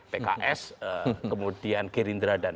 pks kemudian gerindra dan